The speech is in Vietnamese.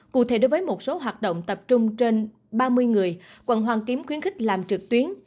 cụ thể đối với một số hoạt động tập trung trên ba mươi người quận hoàn kiếm khuyến khích làm trực tuyến